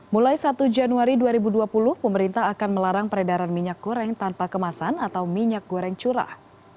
mulai satu januari dua ribu dua puluh pemerintah akan melarang peredaran minyak goreng tanpa kemasan atau minyak goreng curah